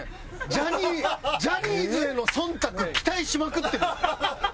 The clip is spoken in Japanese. ジャニーズへの忖度を期待しまくってるやん。